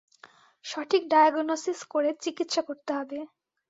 সঠিক ডায়াগনোসিস করে চিকিৎসা করতে হবে।